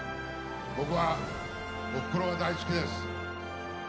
僕は、おふくろが大好きです。